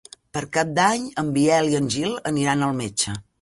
Per Cap d'Any en Biel i en Gil aniran al metge.